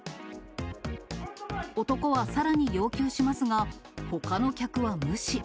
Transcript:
男はさらに要求しますが、ほかの客は無視。